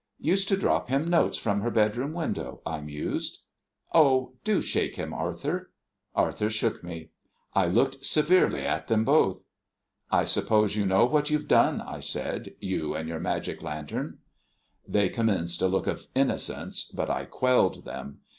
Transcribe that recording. "Used to drop him notes from her bedroom window," I mused. "Oh, do shake him, Arthur." Arthur shook me. I looked severely at them both. "I suppose you know what you've done," I said, "you and your magic lantern?" They commenced a look of innocence, but I quelled them.